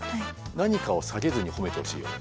何かを下げずに褒めてほしいよね。